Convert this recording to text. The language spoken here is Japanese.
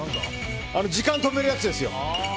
時間止めるやつですよ。